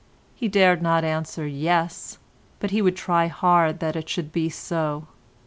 He dared not answer Yes, but he would try hard that it should be so.